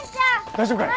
大丈夫かい？